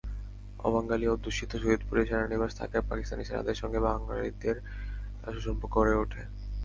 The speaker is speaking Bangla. অবাঙালি অধ্যুষিত সৈয়দপুরে সেনানিবাস থাকায় পাকিস্তানি সেনাদের সঙ্গে অবাঙালিদের সুসম্পর্ক গড়ে ওঠে।